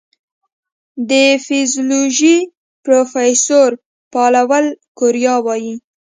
د فزیولوژي پروفېسور پاولو کوریا وايي